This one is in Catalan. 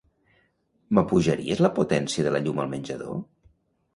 M'apujaries la potència de la llum al menjador?